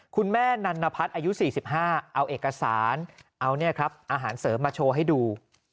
คุณแม่นันนพัฒน์อายุ๔๕เอาเอกสารเอาอาหารเสริมมาโชว์ให้ดู